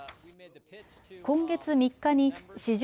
今月３日に史上